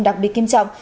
đặc biệt kiêm trọng